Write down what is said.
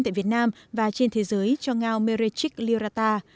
tại việt nam và trên thế giới cho ngao merrechik lirata